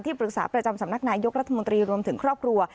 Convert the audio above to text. ปรึกษาประจำสำนักนายยกรัฐมนตรีรวมถึงครอบครัว